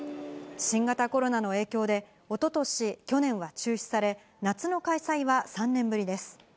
新型コロナの影響で、おととし、去年は中止され、夏の開催は３年ぶりです。